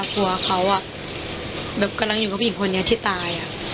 กำลังอยู่กับผู้หญิงคนเนี่ยที่ตาย